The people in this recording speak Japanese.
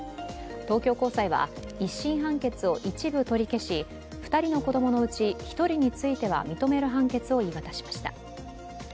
東京高裁は１審判決を一部取り消し２人の子供のうち１人については認める判決を言い渡しました。